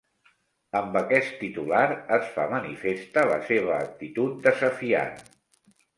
Amb aquest titular es fa manifesta la seva actitud desafiant.